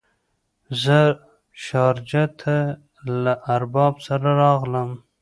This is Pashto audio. زه شارجه ته له ارباب سره راغلم.